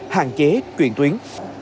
hạn chế chuyển tuyến